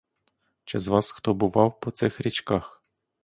Чи з вас хто бував по цих річках?